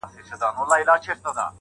دا بد عمل دی